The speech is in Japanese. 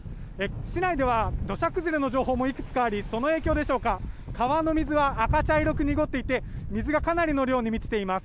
市内では土砂崩れの情報もいくつかありその影響でしょうか川の水は赤茶色く濁っていて水がかなりの量になっています。